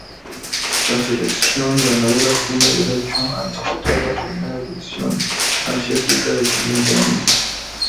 La selección ganadora tiene derecho a disputar la primera división asiática del siguiente año.